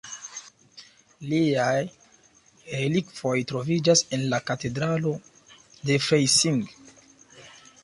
Liaj relikvoj troviĝas en la katedralo de Freising.